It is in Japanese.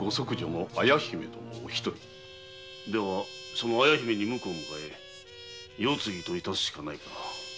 その綾姫に婿を迎え世継ぎといたすしかないな。